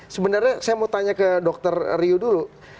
sebenarnya saya mau tanya ke dokter riu dulu